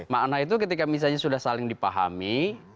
makna itu ketika misalnya sudah saling dipahami